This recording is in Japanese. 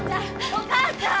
お母ちゃん！